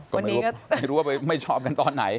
ก็ไม่รู้ว่าไม่ชอบกันตอนไหน